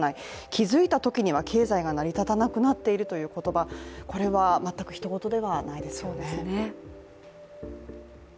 気づいたときには経済が成り立たなくなっているという言葉、これは全くひと事ではないですよね。